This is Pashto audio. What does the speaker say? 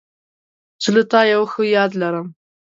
زه له تا یو ښه یاد لرم.